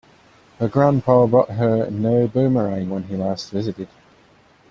Her grandpa bought her a new boomerang when he last visited.